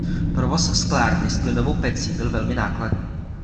Provoz sklárny s plynovou pecí byl velmi nákladný.